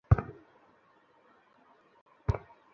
Electrician ছিলেন না কি?